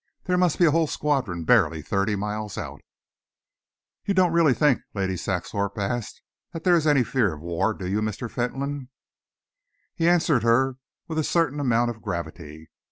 There must be a whole squadron barely thirty miles out." "You don't really think," Lady Saxthorpe asked, "that there is any fear of war, do you, Mr. Fentolin?" He answered her with a certain amount of gravity.